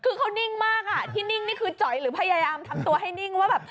คือเขานิ่งมากอ่ะที่นิ่งนี่คือจ๋อยหรือพยายามทำตัวให้นิ่งว่าแบบ